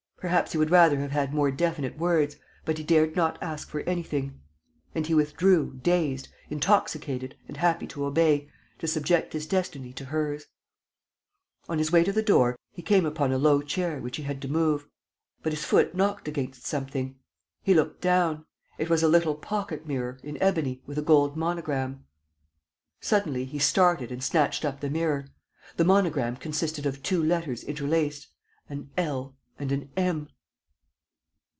Perhaps he would rather have had more definite words, but he dared not ask for anything. And he withdrew, dazed, intoxicated and happy to obey, to subject his destiny to hers! On his way to the door, he came upon a low chair, which he had to move. But his foot knocked against something. He looked down. It was a little pocket mirror, in ebony, with a gold monogram. Suddenly, he started and snatched up the mirror. The monogram consisted of two letters interlaced, an "L" and an "M."